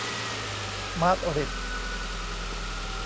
มาดริด